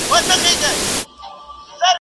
هندو چي بېکاره سي، خپلي خوټي تلي.